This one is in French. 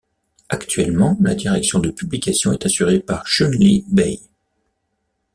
Actuellement, la direction de publication est assurée par Chunli Bai.